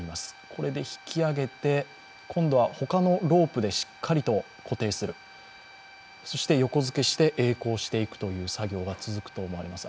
これで引き揚げて、今度は他のロープでしっかりと固定する、そして横付けしてえい航していくという作業が続くと思われます。